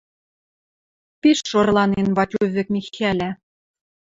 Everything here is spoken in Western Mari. Пиш орланен Ватю вӹк Михӓлӓ